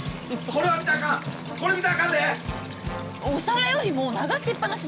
これ見たらあかんで！